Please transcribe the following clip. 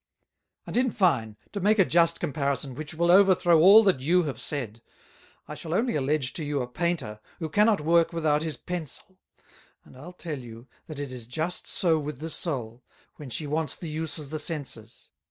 "And in fine, to make a just comparison which will overthrow all that you have said; I shall only alledge to you a Painter, who cannot work without his pencil: And I'll tell you, that it is just so with the Soul, when she wants the use of the Senses.